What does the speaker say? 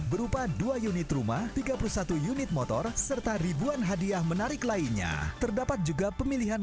berupa dua unit rumah tiga puluh satu unit motor serta ribuan hadiah menarik lainnya terdapat juga pemilihan